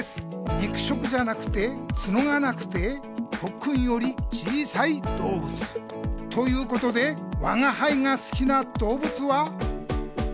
肉食じゃなくて角がなくてポッくんより小さい動物ということでわがはいが好きな動物は。